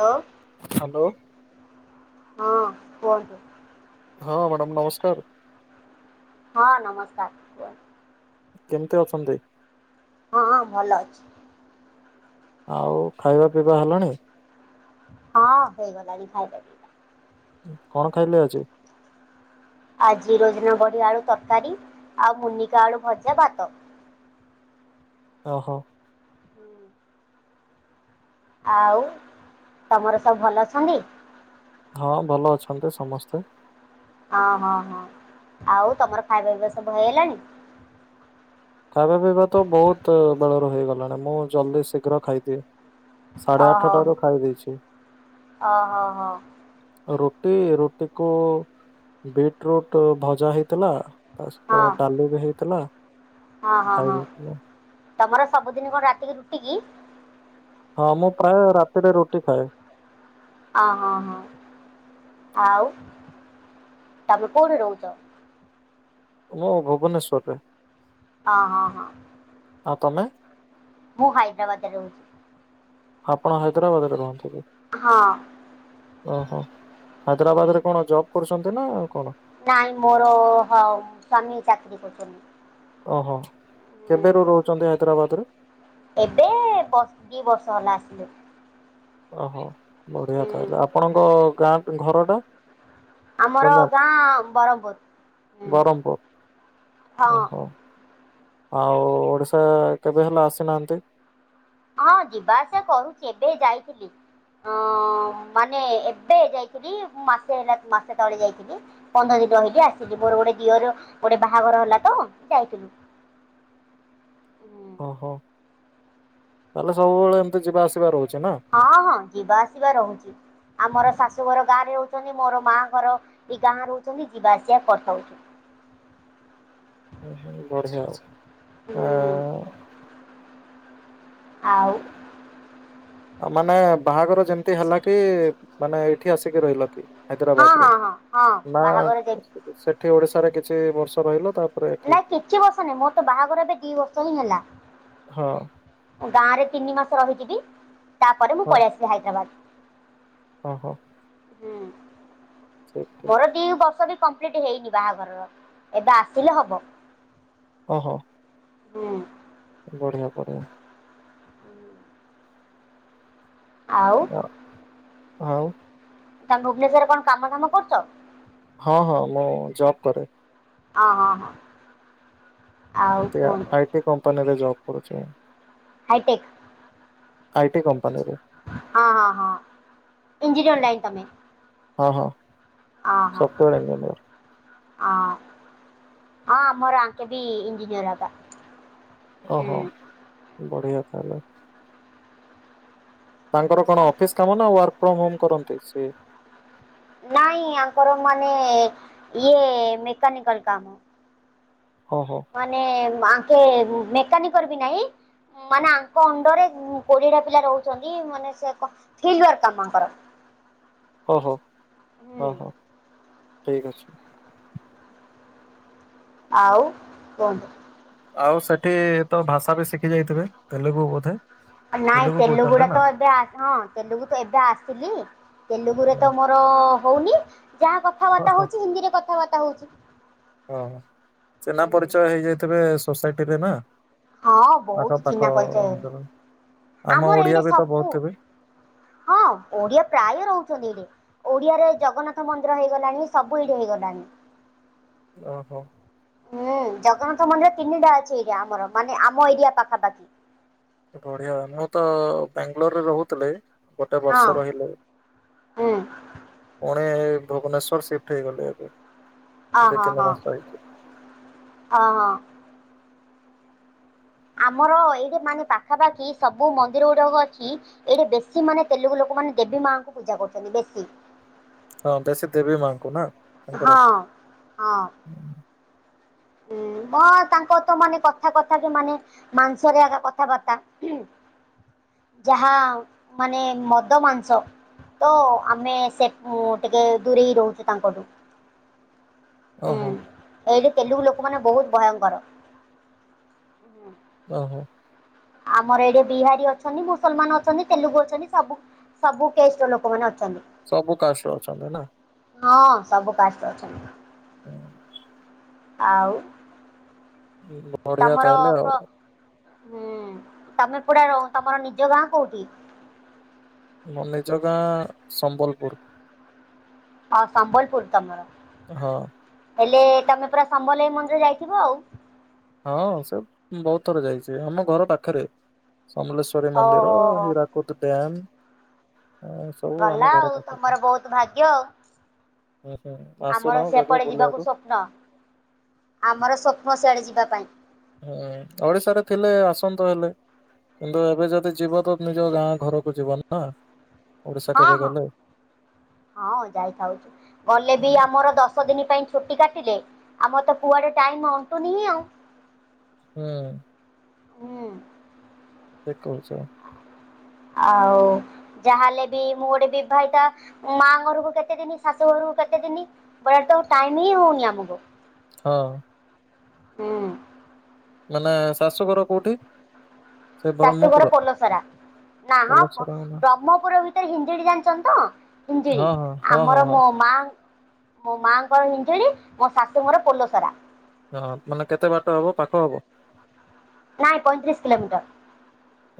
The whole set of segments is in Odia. ହ୍ୟାଲୋ ହ୍ୟାଲୋ ହଁ କୁହନ୍ତୁ। ହଁ ମ୍ୟାଡ଼ାାମ ନମସ୍କାର। ହଁ ନମସ୍କାର କୁହ। କେମିତି ଅଛନ୍ତି? ହଁ ଭଲ ଅଛି। ଆଉ ଖାଇବା ପିଇବା ହେଲାଣି। ହଁ ହେଇଗଲାଣି ଖାଇବା। କଣ ଖାଇଲେ ଆଜି? ଆଜି ରୋଜନାବଢ଼ି ଆଳୁ ତରକାରୀ ଆଉ ମୁନିକା ଆଳୁ ଭଜା ଭାତ। ଓହୋ ଆଉ ତମର ସବୁ ଭଲ ଅଛନ୍ତି। ହଁ ଭଲ ଅଛନ୍ତି ସମସ୍ତେ। ହଁ ହଁ ହଁ ଆଉ ତମର ଖାଇବା ପିଇବା ସବୁ ହେଇଗଲାଣି। ଖାଇବା ପିଇବା ତ ବହୁତ ବେଳରୁ ହେଇଗଲାଣି ମୁଁ ଜଲ୍ଦି ଶୀଘ୍ର ଖାଇଦିଏ। ସାଢ଼େ ଓହୋ ଆଠଟାରୁ ଖାଇ ଦେଇଛି। ଓହୋ ହୋ ରୁଟି ରୁଟିକୁ ବିଟ ରୁଟ ଭଜା ହେଇଥିଲା ତା ହଁ ସହିତ ଡାଲି ବି ହେଇଥିଲା। ହଁ ହଁ ଖାଇ ହଁ ଦେଇଥିଲୁ। ତମର ସବୁଦିନ କଣ ରାତିକି ରୁଟି କି? ହଁ ମୁଁ ପ୍ରାୟ ରାତିରେ ରୁଟି ଖାଏ। ଅ ହଁ ହଁ ଆଉ ତାମେ କୋଉଠି ରହୁଛ। ମୁଁ ଭୁବନେଶ୍ୱରରେ। ହଁ ହଁ ହଁ। ହଁ ତମେ। ମୁଁ ହାଇଦ୍ରାବାଦ ରେ ରହୁଛି। ଆପଣ ହାଇଦ୍ରବାଦ କରନ୍ତିେ। ହଁ। ଓହୋ ହାଇଦ୍ରାବାଦରେ କଣ ଜବ୍ କରୁଛନ୍ତି ନା ଆଉ କଣ। ନାଇଁ ମୋର ହ ସଵାମୀ ଚାକିରିୀ କରୁଛନ୍ତି। ଓହୋ ହୁଁ କେବେ ର ରହୁଛନ୍ତି ହାଇଦ୍ରାବାଦରେ। ଏବେ ବ ଦି ବର୍ଷ ହେଲା ଆସିଲୁ। ଓହୋ ବଢିଆ ହୁଁ ହଲେ ଆପଣଙ୍କ ଗାଁ ଘର ଟା। ଆମର ଗଞ୍ଜାମ ଗାଁ ବ୍ରହମପୁର ବ୍ରହ୍ମପୁର ହଁ। ଓହୋ ଆଉ ଓଡ଼ିଶା କେବେ ହେଲେ ଆସିନାହାନ୍ତି। ହଁ ଯିବା ଆସିବା କରୁଛି ଏବେ ଯାଇଥିଲି। ଅ ମାନେ ଏବେ ଯାଇଥିଲି ମାସେ ହେଲା ମାସେ ତଳେ ଯାଇଥିଲି। ପନ୍ଦର ଦିନ ରହିଲି ଆସିଛି ମୋର ଗୋଟେ ଦିଅର ଗୋଟେ ବାହାଘର ହେଲା ତ ଯାଇଥିଲୁ। ଓ ହୋ ତାହେଲେ ସବୁବେଳେ ଏମତି ଯିବା ଆସିବା ରହୁଛି ନା। ହଁ ହଁ ଯିବା ଆସିବା ରହୁଛି ଆମର ଶାଶୁ ଘର ଗାଁ ରେ ରହୁଛନ୍ତି ମୋର ମା ଘର। ଏଇ ଗାଁ ରହୁଛନ୍ତି ଯିବା ଆସିବା କଥା ହଉଛନ୍ତି। ହ ହୁଁ ବଢିଆ ଆ। ହୁଁ ଆଉ। [inaudible] ଆ ମାନେ ବାହାଘର ଯେମିତି ହେଲା କି ମାନେ ଏଇଠି ଆସିକି ରହିଲ କି? ହଁ ହାଇଦ୍ରାବାଦରେ ହଁ ହଁ ହଁ ନା ବାହାଘର ଯେ ସେଠି ଓଡ଼ିଶାରେ କିଛି ବର୍ଷ ରହିଲ ତା ନାଇଁ କିଛି ବର୍ଷ ନାହିଁ ମୋର ତ ବାହାଘର ଏବେ ଦି ବର୍ଷ ହିଁ ହେଲା। ହଁ ଗାଁରେ ତିନି ମାସ ରହିଯିବି ତାପରେ ମୁଁ ପଳେଇ ଆସିଲି ହାଇଦ୍ରାବାଦ। ଓ ହୋ। ହୁଁ ଠିକ ଘରେ ଦି ବର୍ଷ ବି କମ୍ପ୍ଲିଟ ହେଇନି ବାହାଘରର ଏବେ ଆସିଲେ ହବ। ଓହୋ। ହୁଁ। ବଢିଆ ବଢିଆ। ଆଉ ହ ଆଉ ତମେ ଭୁବନେଶ୍ୱରରେ କଣ କାମ ଦାମ କରୁଛ? ହଁ ହଁ ମୁଁ ଜବ୍ କରେ। ଅହ ହଁ। ଆଉ ଏ କୁହନ୍ତୁ ଆଇଟି କମ୍ପାନୀରେ ଜବ କରୁଛି। ହାଇଟେକ୍। ଆଇଟି କମ୍ପାନୀରେ। ହଁ ହଁ ହଁ ଏଞଜିନିୟର ଲାଇନ ତମେ। ହଁ ହଁ ହଁ ହଁ ସଫ୍ଟୱେୟାର ଇଞ୍ଜିନିୟର। ହଁ ହଁ ମୋର ଆଙ୍କେ ବି ଇଞ୍ଜିନିୟରବା। ଓହୋ ବଢ଼ିଆ ତାହେଲେ। ତାଙ୍କର କଣ ଅଫିସ କାମ ନା ୱାର୍କ ଫ୍ରମ ହୋମ କରନ୍ତି ସିଏ। ନାଇଁ ଆଙ୍କର ମାନେ ଇଏ ମେକାନିକାଲ କାମ। ଓହୋ। ମାନେ ଆଙ୍କେ ମେକାନିକର ବି ନାହିଁ। ମାନେ ଆଙ୍କ ଅଣ୍ଡରରେ କୋଡିଏଟା ପିଲା ରହୁଛନ୍ତି ମାନେ ସେ କ ଥିଲ ୱାର୍କ୍ କାମ ଆଙ୍କର। ଓହୋ ହୁଁ ଅହ ଓ ହୋ ଠିକ୍ ଅଛି। ଆଉ କୁହନ୍ତୁ? ଆଉ ସେଠି ତୋ ଭାଷା ବି ଶିଖି ଯାଇଥିବେ ତେଲୁଗୁ ବୋଧେ। ନାଇଁ ତେଲୁଗୁ କହୁଛନ୍ତି ତେଲୁଗୁଡା ନା। ତ ଏବେ ହଁ ତେଲୁଗୁ ତ ଏବେ ଆସିଲି ତେଲୁଗୁରେ ହଁ ତ ମୋ ମୋର ହଉନି ଯାହା ହଁ କଥାବାର୍ତ୍ତା ହଁ ହଉଛି ହିନ୍ଦୀରେ କଥାବାର୍ତ୍ତା ହଉଛି। ହଁ, ଚିହ୍ନାପରିଚୟ ହେଇଯାଇଥିବେ ସୋସାଇଟିରେ ନାଁ। ହଁ, ବହୁତ୍ ଚିହ୍ନା ପରିଚୟ ଅଞ୍ଚଳରେ। ହେଲି ଆମ ଆମର ଓଡିଆ ଏଇଠି ବି ତ ବହୁତ ସବୁ ଥିବେ ହଁ, ଓଡିଆ ପ୍ରାୟ ରହୁଛନ୍ତି ଏଠି। ଓଡିଆରେ ଜଗନ୍ନାଥ ମନ୍ଦିର ହେଇଗଲାଣି ସବୁ ଏଇଠି ହେଇଗଲାଣି। ଓହୋଃ। ହୁଁ, ଜଗନ୍ନାଥ ମନ୍ଦିର ତିନିଟା ଅଛି ଏଠି ଆମର ମାନେ ମାନେ ଆମ ଏରିଆ ପାଖାପାଖି। ବଢିଆ ମୁଁ ତ ବାଙ୍ଗାଲୋରରେ ରହୁଥିଲି, ଗୋଟେ ହଁ ବର୍ଷ ରହିଲି। ହୁଁ ପୁଣି, ଭୁବନେଶ୍ଵର ସିଫ୍ଟ ହେଇଗଲେ ଏବେ। ଅହ ଦି ହ ତିନି ହଁ ମାସ ହେଇଛି ହଁ। ଆମର ଏଇଠି ମାନେ ପାଖାପାଖି ସବୁ ମନ୍ଦିର ଗୁଡାକ ଅଛି। ଏଇଠି ବେଶୀ ମାନେ ତେଲୁଗୁ ଲୋକମାନେ ଦେବୀ ମାଙ୍କୁ ପୂଜା କରୁଛନ୍ତି ବେଶୀ। ହଁ, ବେଶୀ ଦେବୀ ମାଆଙ୍କୁ ନା? ତାଙ୍କର ହଁ, ହଁ। ହୁଁ, ତାଙ୍କର ତ ମାନେ କଥା କଥାକେ ମାନେ ମାଂସରେ ଆଗ କଥାବାର୍ତ୍ତା। ଯାହା ମାନେ ମଦ ମାଂସ। ତ ଆମେ ସେଠୁ ଟିକେ ଦୂରେଇ ରହୁଛୁ ତାଙ୍କଠୁ। ହୁଁ ଅହ। ଏଇଠି ତେଲୁଗୁ ଲୋକମାନେ ବହୁତ ଭୟଙ୍କର। ଓହୋ। ଆମର ଏଇଠି ବିହାରୀ ଅଛନ୍ତି ମୁସଲମାନ ଅଛନ୍ତି ତେଲୁଗୁ ଅଛନ୍ତି ସବୁ। ସବୁ କେଷ୍ଟର ଲୋକମାନେ ଅଛନ୍ତି। ସବୁ କାଷ୍ଟ ର ଅଛନ୍ତି ନା। ହଁ ସବୁ କାଷ୍ଟର ଅଛନ୍ତି। ହୁଁ, ଆଉ। [inaudible] ତମର ତାହେଲେ ଆଉ କ ଉଁ ତମେ କଉଟା ର ତମର ନିଜ ଗାଁ କଉଠି? ମୋ ନିଜ ଗାଁ ସମ୍ବଲପୁର। ଅ ସମ୍ବଲପୁର ତମର। ହଁ। ହେଲେ ତମେ ପୁରା ସମଲେଇ ମନ୍ଦିର ଯାଇଥିବ ଆଉ। ହଁ ସେ ଉଁ ବହୁତ ଥର ଯାଇଛି ଆମ ଘର ପାଖରେ ସମଲେଶ୍ଵରୀ ମନ୍ଦିର ଓହୋ ହୋ ହୀରା କୁଦ୍ ଡ୍ୟାମ ଉଁ ସ ଭଲ ଆଉ ତମର ବହୁତ ଭାଗ୍ୟ। ହୁଁ ହୁଁ ଆସୁନ ଆମର କେବେ ସେପଟେ ଯିବାକୁ ବୁଲିବାକୁ ସ୍ୱପ୍ନ। ଆମର ସ୍ୱପ୍ନ ସିଆଡ଼େ ଯିବା ପାଇଁ। ହୁଁ ଓଡିଶାରେ ଥିଲେ ଆସନ୍ତ ହେଲେ। କିନ୍ତୁ ଏବେ ଯଦି ଯିବ ତ ନିଜ ଗାଁ ଘରକୁ ଯିବ ନା। ଓଡିଶା ହଁ କେବେ ହଁ ଗଲେ। ହଁ ଯାଇଥାଉଛୁ। ଗଲେ ବି ଆମର ଦଶ ଦିନି ପାଇଁ ଛୁଟି କାଟିଲେ। ଆମର ତ କୁଆଡେ ଟାଇମ ଅଣ୍ଟୁନି ହି ଆଉ। ହୁଁ। ହୁଁ। ଠିକ୍ କହୁଛ। ଆଉ। ଯାହାହେଲେ ବି ମୁଁ ଗୋଟେ ବିବାହିତା ଉଁ ମାଆ ଘରକୁ କେତେ ଦିନି ଶାଶୁ ଘରକୁ କେତେ ଦିନି। ବରା ତ ଟାଇମ ହି ହେଉନି ଆମକୁ। ହଁ। ହୁଁ। ମାନେ ଶାଶୁଘର କୋଉଠି? ସେ ଶାଶୁଘର ବ୍ରହ୍ମପୁର ପୋଲସରା। ନା ହଁ ମ୍ପ ପଲସରା ନା? ବ୍ରହ୍ମପୁର ଭିତରେ ହିଞ୍ଜିଡି ଜାଣିଛନ୍ତି ତ? ହିଞ୍ଜିଡି ହଁ ହଁ ହଁ ହଁ ଆମର ହଁ। ମୋ ମା। ମୋ ମାଆଙ୍କର ହିଞ୍ଜିଡି ମୋ ଶାଶୁଙ୍କର ପୋଲସରା। ହଁ ମାନେ କେତେ ବାଟ ହବ ପାଖ ହବ? ନାଇଁ ପଇଁତିରିଶ କିିଲୋମିଟର।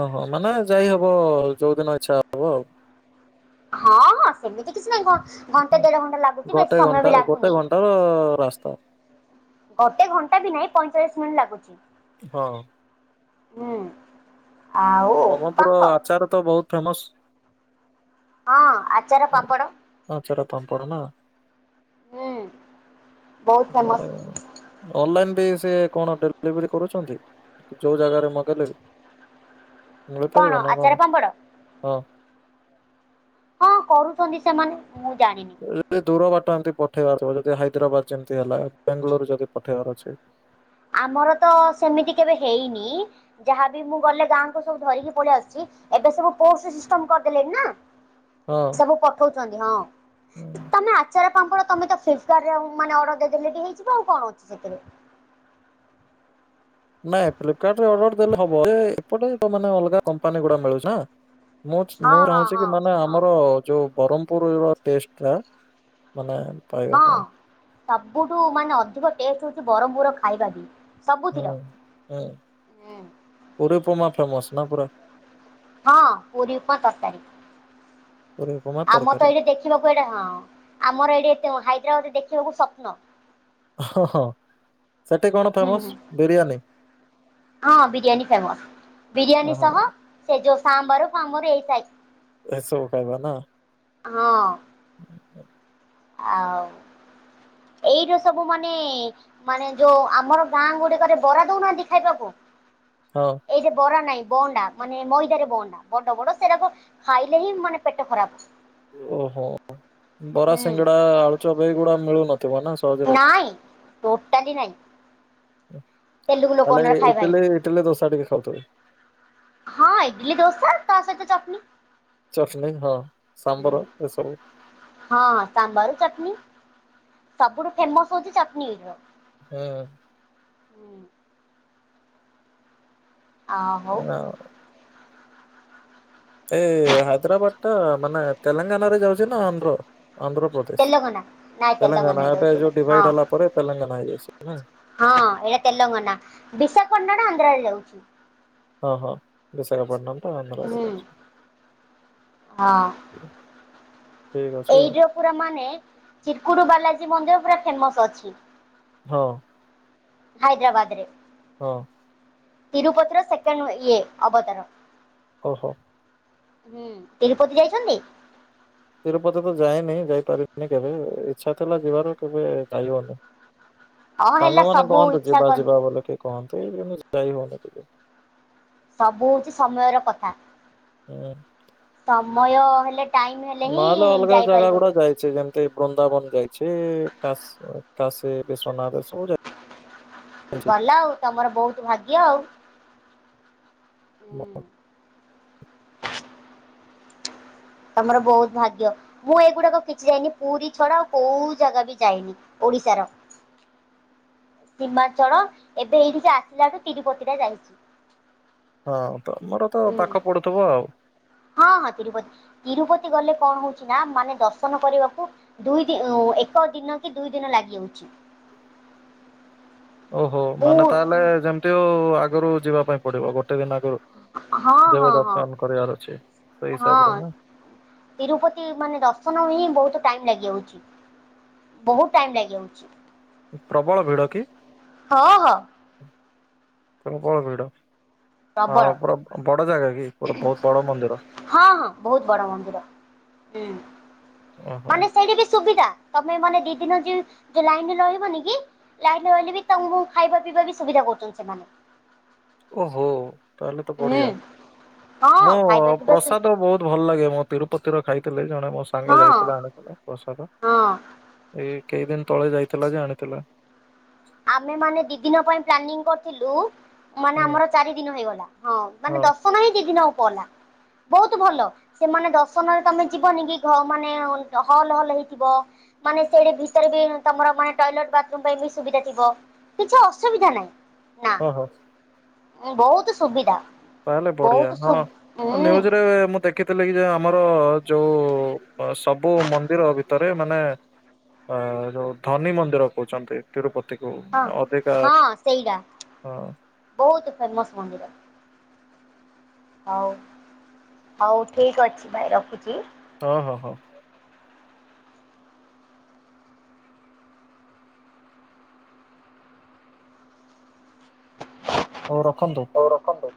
ଓହୋ ମାନେ ଯାଇ ହବ ଯୋଉଦିନ ଇଚ୍ଛା ହବ ଆଉ। ହଁ ହଁ ସେମିତି କିଛି ନାଇଁ କ ଘଣ୍ଟେ ଦେଢ ଘଣ୍ଟା ଲାଗୁଛି ଗୋଟେ ବେଶୀ ସମୟ ଘଣ୍ଟା ବି ଗୋଟେ ଲାଗୁନି। ଘଣ୍ଟାର ରାସ୍ତା। ଗୋଟେ ଘଣ୍ଟା ବି ନାଇଁ ପଇଁଚାଳିଶ ମିନ ଲାଗୁଛି। ହଁ। ହୁଁ ଆଉ ପାଖ। ତାର ତ ବହୁ ଫେମସ୍। ହଁ ଆଚାର ପାମ୍ପଡ। ଆଚାର ପାମ୍ପଡ଼ ନା ହୁଁ ବହୁତ ବଏ ଫେମସ୍ ଆଉ। ଅନଲାଇନ ବି ସେ କଣ ଡେଲିଭରି କରୁଛନ୍ତି ଯୋଉ ଜାଗାରେ ମଗେଇଲେ ବି? ମିଳିପାରିବ ନା ଆଚାର କଣ? ପାମ୍ପଡ଼ ହଁ। ହଁ କରୁଛନ୍ତି ସେମାନେ ମୁଁ ଜାଣି ଯଦି ଦୂର ବାଟ ଏମତି ପଠେଇବାର ିବ ଯଦି ହାଇଦ୍ରାବାଦ ଯେମିତି ହେଲା ବାେଙ୍ଗାଲୋରୁ ଯଦି ପଠେଇବାର ଅଛି ଆମର ତ ସେମିତି କେବେ ହେଇନି ଯାହାବି ମୁଁ ଗଲେ ଗାଁକୁ ସବୁ ଧରିକି ପଳେଇ ଆସୁଛି ଏବେ ସବୁ ପୋ ସିଷ୍ଟମ କରିଦେଲେଣି ନା ହଁ ସବୁ ପଠଉଛନ୍ତି ହୁଁ। ହଁ ତମେ ସାର୍ ପାମ୍ପଡ ତମେ ତ ଫ୍ଲିପକାର୍ଟରେ ମାନେ ଅର୍ର ଦେଇଦେରି ହେଇଯ ଆଉ କଣ ଅଛି ସେଥିରେ ନାଇଁ ଫ୍ପକଟ ରେ ଅର୍ର ଦେଲେ ହବ ଏପଟୋନେ ଅଲଗା କମ୍ପାନୀ ଗୁଡା ମିଳୁଛିଁ ମୁଁ ମୁଁ ହଁ ହଁ ଚାହୁଁଛି ହଁ କି ମାନେ ହଁ ଆମର ଯୋଉ ବ୍ରହ୍ମପୁର ର ଟେଷ୍ଟ ଟା ମାନେ ପାଇବା ହଁ ପାଇଁ ସବୁଠୁ ମାନେ ଅଧିକ ଟେଷ୍ଟ ହଉଛି ବ୍ରହ୍ମପୁର ଖାଇବା ବି ହଁ ସବୁଥିର। ହଁ ହୁଁ ପୁରୀପମା ଫେମସ ନା ପୁରା ହଁ ପୁରୀ ଉପ ତରକାରି ପୁରୀ ଉପମା ଆମ ତରକାରୀ ତ ଏଇଠି ଦେଖ ଦେଖିବାକୁ ଏଇଟା ହଁ ଆମର ଏଇଠି ହାଇଦ୍ରାବାଦ ରେ ଦେଖିବାକୁ ସ୍ୱପ୍ନ ହ ହଁ ସେଠି କଣ ହୁଁ ଫେମସ ହୁଁ ବିରିୟାନୀ ହଁ ବିରିୟାନୀ ଫେମସ ବିରିୟାନୀ ଓହୋ ସହ ସେ ଯୋଉ ସାମ୍ବର କମର ଏଇାଇ ଏ ସବୁ ଖାଇବା ନା ହଁ ହୁଁ ହ ଆଉ ଏଇଟୋ ସବୁ ମାନେ ମାନେ ଯୋଉ ଆମର ଗାଁ ଗୁଡିକରେ ବରା ଦଉନାହାନ୍ତି ଖାଇବାକୁ ହଁ ଏଇ ଯେ ବରା ନାଇଁ ବହଣ୍ଡା ମାନେ ମଇଦାରେ ବହଣ୍ଡା ବଡ ବଡ ସେଟା ଖାଇଲେ ହିଁ ମାନେ ପେଟ ଖରାପ ଓହୋ ବରା ହୁଁ ସିଙ୍ଗଡା ଆଳୁଚ ଏଗୁଡା ମିଳୁନଥିବ ନା ସହଜରେ। ନାଇଁ ଟୋଟାଲି ନାଇଁ ତେଲୁଗୁ ତାଲେ ଲୋକମାନଙ୍କର ଖାଇବା ହିଁ ଇଟଲି ଇଟାଲି ଦୋସା ଟିକେ ଖାଉଥିବେ ହଁ ଇଡ଼ଲି ଦଶା ତା ସହିତ ଚଟଣି। ଚଟଣି ହଁ ସାମ୍ବର ଏସବୁ ହଁ ସାମ୍ବାରୁ ଚଟଣିୀ ସବୁଠୁ ଫେମସ ହଉଛି ଚଟଣି। ହୁଁ। ଆଉ ଆ, ଏ ହାଇଦ୍ରାବାଦ ଟା ମାନେ ତେଲେଙ୍ଗାନା ରେ ଯାଉଛି ନା ଆନ୍ଧ୍ର ଆନ୍ଧ୍ରପ ତେଲଙ୍ଗାନା ନାଇଁ ତେଲଙ୍ଗାନା ତେଲେଙ୍ଗାନା ଏବେ ଯାଉଛି ଏଇଟା ଯୋଉ ଡିଭାଇଡ୍ ହଁ ହେଲା ପରେ ତେଲେଙ୍ଗାନା ହେଇଯାଇଛି। ହଁ ଏଇ ତେଲଙ୍ଗାନା ବିଶାଖପଟଣାର ଆନ୍ଧ୍ରରେ ଯାଉଛି। ହଁ ହଁ ବିଶାଖାପାଟନା ତ ଆନ୍ଧ୍ରରେ ହୁଁ ଯାଉଛି। ଠିକ ଅଛି ଆଉ ଏଇତା ପୁରା ମାନେ ଚିରକୁଡ ବାଲାଜୀ ମନ୍ଦିର ପୁରା ଫେମସ ଅଛି। ହଁ। ହାଇଦ୍ରାବାଦରେ। ହଁ। ତିରୁପତି ର ସେକେଣ୍ଡ ଇଏ ଅବତାର। ଓହୋ! ହୁଁ ତିରୁପତି ଯାଇଛନ୍ତି? ତିରୁପତି ତ ଯାଇନି ଯାଇପାରିବିନି କେବେ? ଇଛାଥିଲା ଯିବାର କେବେ ଯାଇହୋବନି? ହଁ ହେଲା ସାଙ୍ଗମାନେ ସବୁ କୁହନ୍ତୁ ଇଚ୍ଛା ଯିବା କରି ଯିବା ବୋଲିକି କୁହନ୍ତି। ଏ ନିଜକୁ ଟାଇମ ହଉନି। ସବୁ ହଉଛି ସମୟର କଥା। ହୁଁ। [inaudible] ସମୟ ହେଲେ ଟାଇମ ହେଲେ ହିଁ ନହେଲେ ଅଲଗା ଜାଗା ଯାଇପାରିବ। ଗୁଡା ଯାଇଛି। ଯେମିତି ଏତେ ବୃନ୍ଦାବନ ଯାଇଛି। କାଶି କାଶି ବିଶ୍ୱନାଥ ଏ ସବୁ ଯାଇନି। ଭଲ ଆଉ ତମର ବହୁତ ଭାଗ୍ୟ ଆଉ [inaudible] ତମର ବହୁତ ଭାଗ୍ୟ। ମୁଁ ଏଇଗୁଡାକ କିଛି ଯାଇନି। ପୁରୀ ଛଡା ଆଉ କୋଉ ଜାଗା ବି ଯାଇନି। ଓଡ଼ିଶାର ସିମାଚଳ, ଏବେ ଏଇଠିକି ଆସିଲାଠୁ ତିରୁପତି ଟା ଯାଇଚି। ହଁ ତମର ତ ପାଖ ପଡୁଥିବ ଆଉ। ହଁ ହଁ ତିରୁପତି। ତିରୁପତି ଗଲେ କଣ ହଉଚି ନା ମାନେ ଦର୍ଶନ କରିବାକୁ ଦୁଇଟି ଉଁ ଏକ ଦିନ କି ଦୁଇ ଦିନ ଲାଗିଯାଉଚି। ଓହୋ ବହୁ ମାନେ ତାହେଲେ ଯେମତି ହଉ ଆଗରୁ ଯିବା ପାଇଁ ପଡିବ। ଗୋଟେ ଦିନ ଆଗରୁ। ହଁ ହଁ ଯେବେ ହଁ ଦର୍ଶନ କରିବାର ଅଛି। ସେଇ ହଁ ହିସାବରେ ନା। ତିରୁପତି ମାନେ ଦର୍ଶନ ହିଁ ବହୁତ ଟାଇମ୍ ଲାଗିଯାଉଚି। ବହୁତ ଟାଇମ୍ ଲାଗି ଯାଉଚି। ପ୍ରବଳ ଭିଡ କି? ହଁ ହଁ ପ୍ରବଳ ଭିଡ। ପ୍ରବଳ ହଁ ପୁରା ବଡ ଜାଗା କି? ଗୋଟେ ବହୁତ୍ ବଡ ମନ୍ଦିର। ହଁ ହଁ ବହୁତ ବଡ ମନ୍ଦିର। ହୁଁ, ଓହୋ ମାନେ ସେଇଠି ବି ସୁବିଧା। ତମେ ମାନେ ଦି ଦିନ ଯାଏ ଯୋଉ ଲାଇନରେ ରହିବନି କି ଲାଇନ ରେ ରହିଲେ ବି ତମକୁ ଖାଇବା ପିଇବା ବି ସୁବିଧା କରୁଚନ୍ତି ସେମାନେ। ଓହୋ, ତାହେଲେ ତ ହୁଁ ବଢିଆ। ହଁ ମୁଁ ଖାଇବା ପିଇବା ସୁ ପ୍ରସାଦ ବହୁତ୍ ଭଲ ଲାଗେ। ମୁଁ ତିରୁପତିର ଖାଇଥିଲି ଜଣେ ମୋ ସାଙ୍ଗ ହଁ ଯାଇଥିଲା ଆଣି ପ୍ରସାଦ, ହଁ ଏଇ କେଇ ଦିନ୍ ତଳେ ଯାଇଥିଲା ଯେ ଆଣିଥିଲା। ଆମେ ମାନେ ଦି ଦିନ ପାଇଁ ପ୍ଲାନିଂ କରିଥିଲୁ। ମାନେ ହୁଁ ଆମର ଚାରି ଦିନ ହେଇଗଲା। ହଁ ମାନେ ଦଶ [unintelligible] ବହୁତ ଭଲ। ସେମାନେ ଦର୍ଶନରେ ତମେ ଯିବନି କି? ଘ ମାନେ ହଲ୍ ହଲ୍ ହେଇଥିବ। ମାନେ ସେଇଠି ଭିତରେ ବି ତମର ମାନେ ଟଏଲେଟ୍ ବାଥରୁମ୍ ପାଇଁ ବି ସୁବିଧା ଥିବ। କିଛି ଅସୁବିଧା ନାହିଁ। ନା। ହଁ ହଁ ବହୁତୁ ସୁବିଧା। ତାହେଲେ ବଢିଆ। ବହୁତ ହଁ, ସୁ ହୁଁ ନ୍ୟୁଜରେ ମୁଁ ଦେ ଦେଖିଥିଲି କି ଯେ ଆମର ଯୋଉ ସବୁ ମନ୍ଦିର ଭିତରେ ମାନେ ଅ ଯୋଉ ଧନୀ ମନ୍ଦିର କହୁଚନ୍ତି। ତିରୁପତିକୁ। ହଁ ଅଧିକା ହଁ। ବହୁତୁ ଫେମସ୍ ମନ୍ଦିର। ହଉ, ହଉ ଠିକ୍ ଅଛି ଭାଇ ରଖୁଚି। [unintelligible] ହଉ ରଖନ୍ତୁ। ହଉ ରଖନ୍ତୁ।